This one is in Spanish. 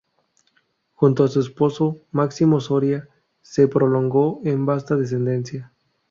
Junto a su esposo Máximo Soria, se prolongó en vasta descendencia.